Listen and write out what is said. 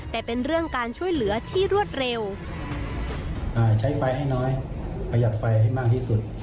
แต่เป็นเรื่องการช่วยเหลือที่รวดเร็วใช้ไฟให้น้อยประหยัดไฟให้มากที่สุด